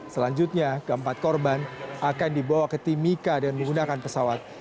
selanjutnya keempat korban akan dibawa ke timika dengan menggunakan pesawat